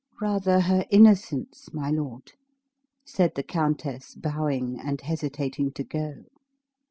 "Rather her innocence, my lord," said the countess, bowing, and hesitating to go.